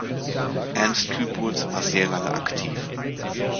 Ernst Kyburz war sehr lange aktiv.